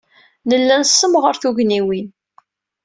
Nella nessemɣar tugniwin.